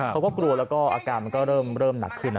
เขาก็กลัวแล้วก็อาการมันก็เริ่มหนักขึ้นนะ